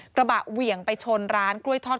กระบาดเหวี่ยงไปชนร้านกล้วยทอด